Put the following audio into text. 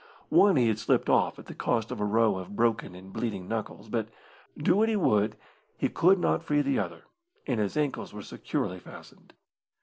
One he had slipped off at the cost of a row of broken and bleeding knuckles, but, do what he would, he could not free the other, and his ankles were securely fastened.